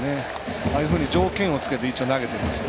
ああいうふうに条件をつけて一応、投げてるんですよ。